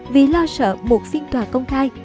vì lo sợ một phiên tòa công khai